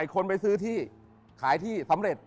คนไปซื้อที่ขายที่สำเร็จ